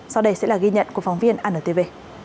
sau đây sẽ là ghi nhận của phóng viên antv